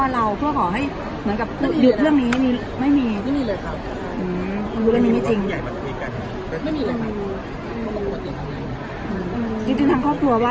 หรือว่าต้องหาอะไรเพิ่มเติมเถอะ